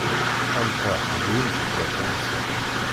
Ameṭreḥ d win teǧǧa Fransa.